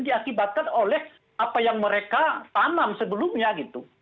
diakibatkan oleh apa yang mereka tanam sebelumnya gitu